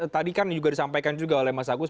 tadi kan juga disampaikan juga oleh mas agus